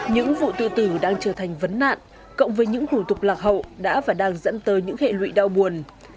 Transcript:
những vụ tự tử đang trở thành vấn nạn cộng với những hủ tục lạc hậu đã và đang dẫn tới những hệ lụy đau buồn